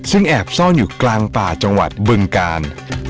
ซึ่งแอบซ่อนอยู่กลางป่าจังหวัดบึงกาล